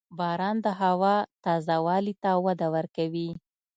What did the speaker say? • باران د هوا تازه والي ته وده ورکوي.